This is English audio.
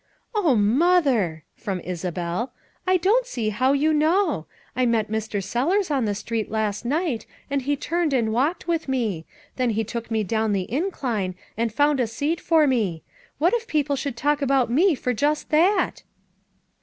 "Oh, Mother!" from Isabel, "I don't see how you know. I met Mr. Sellers on the street last night, and he turned and walked with me; 238 FOUR MOTHERS AT CHAUTAUQUA then be took me down the incline, and found a seat for me ; what if people should talk about me for just that?"